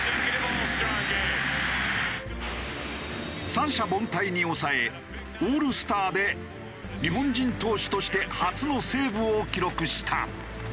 三者凡退に抑えオールスターで日本人投手として初のセーブを記録した。